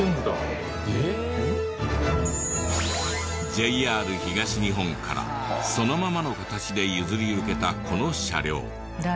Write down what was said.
ＪＲ東日本からそのままの形で譲り受けたこの車両。